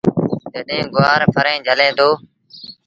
جڏهيݩ گُوآر ڦريٚݩ جھلي دو۔